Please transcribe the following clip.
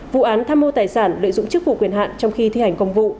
vụ án tham mô tài sản lợi dụng chức vụ quyền hạn trong khi thi hành công vụ